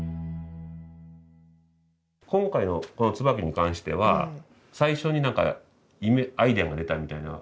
今回のこの椿に関しては最初になんかアイデアが出たみたいな。